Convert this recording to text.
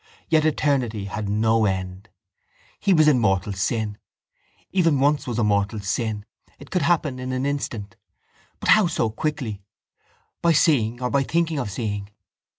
Yet eternity had no end. He was in mortal sin. Even once was a mortal sin. It could happen in an instant. But how so quickly? By seeing or by thinking of seeing.